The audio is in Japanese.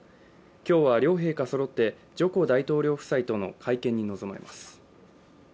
今日は両陛下そろって、ジョコ大統領夫妻との会見に臨まれます。